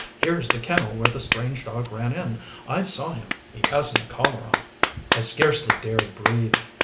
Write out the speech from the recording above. "Here's the kennel where the strange dog ran in. I saw him. He hadn't a collar on." I scarcely dared breathe.